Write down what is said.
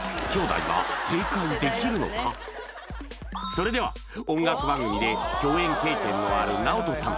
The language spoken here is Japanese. それでは音楽番組で共演経験のあるＮＡＯＴＯさん